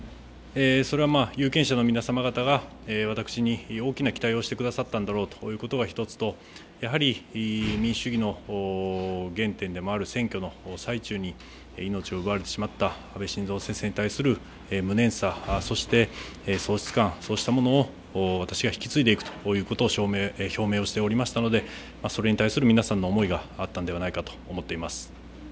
それは有権者の皆様方が私に大きな期待をしてくださったのだろうということが１つとやはり民主主義の原点でもある選挙の最中に命を奪われてしまった安倍晋三先生に対する無念さ、そして喪失感、そうしたものを私が引き継いでいくということを表明しておりましたのでそれに対する皆さんの思いがあったのではないかと思っています。